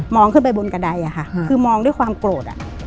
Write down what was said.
ขึ้นไปบนกระดายอะค่ะคือมองด้วยความโกรธ